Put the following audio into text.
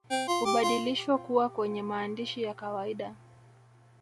Hubadilishwa kuwa kwenye maandishi ya kawaida